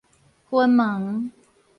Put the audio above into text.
賁門